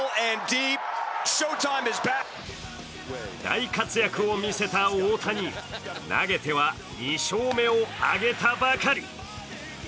大活躍を見せた大谷、投げては２勝目を挙げたばかり。